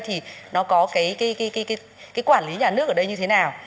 thì nó có cái quản lý nhà nước ở đây như thế nào